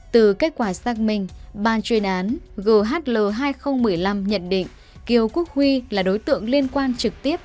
từ kết quả xác bình bà truyền án ghl hai nghìn một mươi năm nhận định kiều quốc huy là đối tượng liên quan trực tiếp